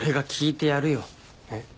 えっ？